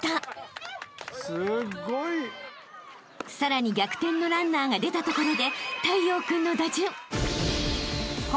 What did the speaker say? ［さらに逆転のランナーが出たところで太陽君の打順］